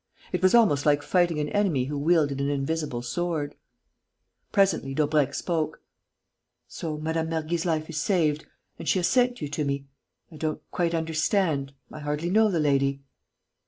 It was almost like fighting an enemy who wielded an invisible sword. Presently, Daubrecq spoke: "So Mme. Mergy's life is saved.... And she has sent you to me.... I don't quite understand.... I hardly know the lady."